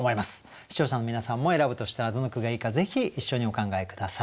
視聴者の皆さんも選ぶとしたらどの句がいいかぜひ一緒にお考え下さい。